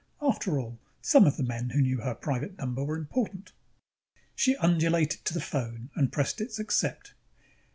After all, some of the men who knew her private number were important. She undulated to the phone and pressed its Accept.